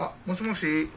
もしもし。